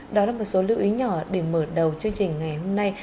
đó là một số lưu ý nhỏ để mở đầu chương trình ngày hôm nay